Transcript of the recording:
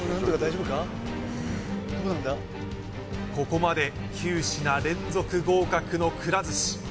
ここまで９品連続合格のくら寿司